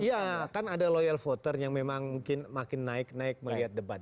iya kan ada loyal voter yang memang mungkin makin naik naik melihat debat